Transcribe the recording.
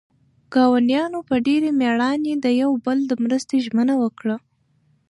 ګاونډیانو په ډېرې مېړانې د یو بل د مرستې ژمنه وکړه.